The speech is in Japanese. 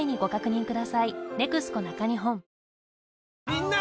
⁉みんな！